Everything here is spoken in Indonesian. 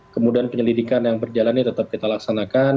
kemudian penyelidikan yang berjalan ini tetap kita laksanakan